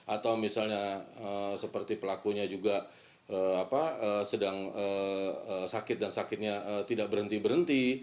atau misalnya seperti pelakunya juga sedang sakit dan sakitnya tidak berhenti berhenti